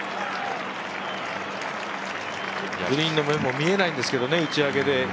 グリーンの面も見えないんですけど、打ち上げで。